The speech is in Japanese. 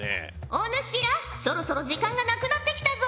お主らそろそろ時間がなくなってきたぞ。